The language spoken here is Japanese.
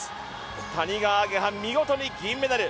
谷川亜華葉、見事に銀メダル。